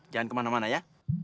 jangan kemana mana ya